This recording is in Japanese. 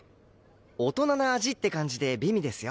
大人な味って感じで美味ですよ。